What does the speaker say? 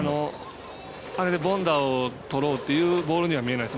あれで凡打をとろうというボールには見えないです。